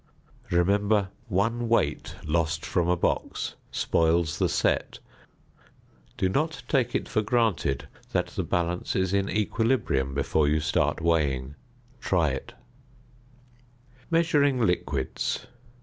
Remember one weight lost from a box spoils the set. Do not take it for granted that the balance is in equilibrium before you start weighing: try it. [Illustration: FIG. 26.] ~Measuring Liquids.